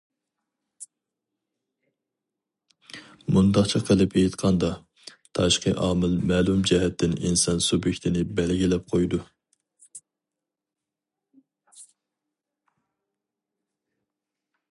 مۇنداقچە قىلىپ ئېيتقاندا، تاشقى ئامىل مەلۇم جەھەتتىن ئىنسان سۇبيېكتىنى بەلگىلەپ قويىدۇ.